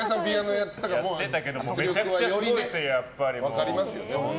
やってたけどめちゃくちゃすごいですよ。